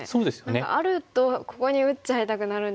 何かあるとここに打っちゃいたくなるんですけど。